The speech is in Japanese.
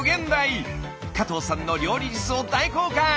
加藤さんの料理術を大公開！